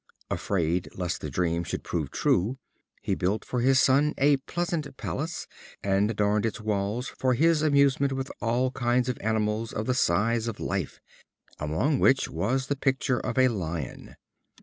Afraid lest the dream should prove true, he built for his son a pleasant palace, and adorned its walls for his amusement with all kinds of animals of the size of life, among which was the picture of a lion.